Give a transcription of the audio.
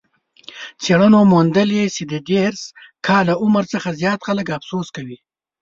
څېړنو موندلې چې د دېرش کاله عمر څخه زیات خلک افسوس کوي.